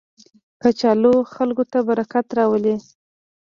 کچالو خلکو ته برکت راولي